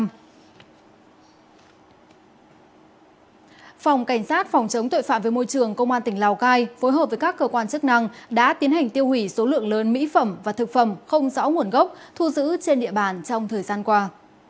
phòng cảnh sát phòng chống tội phạm với môi trường công an tỉnh lào cai phối hợp với các cơ quan chức năng đã tiến hành tiêu hủy số lượng lớn mỹ phẩm và thực phẩm không rõ nguồn gốc thu giữ trên địa bàn trong thời gian qua